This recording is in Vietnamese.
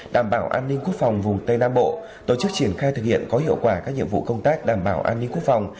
đảm bảo an ninh quốc phòng vùng tây nam bộ tổ chức triển khai thực hiện có hiệu quả các nhiệm vụ công tác đảm bảo an ninh quốc phòng